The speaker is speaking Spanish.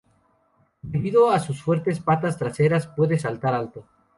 Debido a sus fuertes patas traseras, puede saltar alto.